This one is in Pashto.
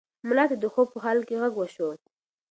ملا ته د خوب په حال کې غږ وشو.